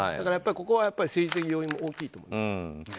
ここはやっぱり政治的要因が大きいと思います。